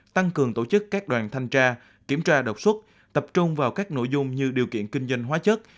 tăng cường tổ chức các đoàn thanh tra kiểm tra đột xuất tập trung vào các nội dung như điều kiện kinh doanh hóa chất